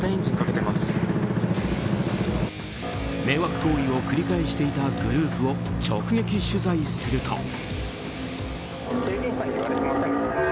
迷惑行為を繰り返していたグループを直撃取材すると。